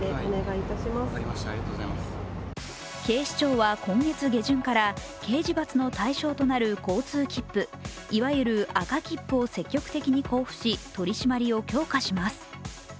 警視庁は今月下旬から刑事罰の対象となる交通切符いわゆる赤切符を積極的に交付し取り締まりを強化します。